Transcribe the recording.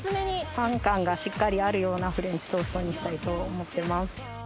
パン感がしっかりあるようなフレンチトーストにしたいと思ってます。